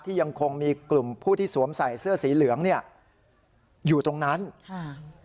ยังคงมีกลุ่มผู้ที่สวมใส่เสื้อสีเหลืองเนี่ยอยู่ตรงนั้นค่ะ